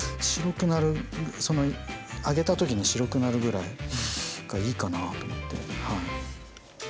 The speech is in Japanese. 揚げた時に白くなるぐらいがいいかなと思ってはい。